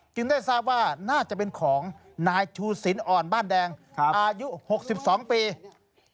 ได้ทราบว่าน่าจะเป็นของนายชูสินอ่อนบ้านแดงอายุ๖๒ปี